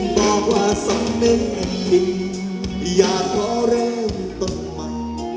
บอกว่าสำเร็จอย่างคิดอยากขอเริ่มต้นใหม่